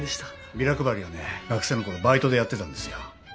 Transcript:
ビラ配りはね学生の頃バイトでやってたんですよ。